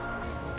aku mau pergi